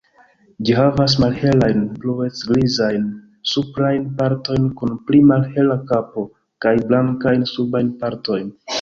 Ĝi havas malhelajn, bluec-grizajn suprajn partojn kun pli malhela kapo, kaj blankajn subajn partojn.